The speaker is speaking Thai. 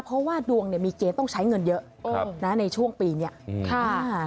เพราะว่าดวงเนี่ยมีเกณฑ์ต้องใช้เงินเยอะนะในช่วงปีนี้ค่ะ